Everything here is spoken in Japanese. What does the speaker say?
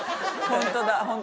ホントだ。